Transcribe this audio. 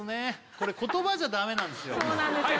これ言葉じゃダメなんですよ